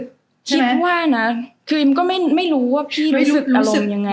คิดว่านะคือมันก็ไม่รู้ว่าพี่รู้สึกยังไง